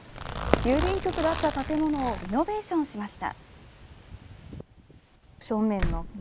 郵便局だった建物をリノベーションしました。